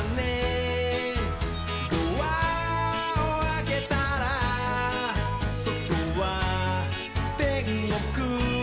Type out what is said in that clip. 「ドアをあけたらそとはてんごく」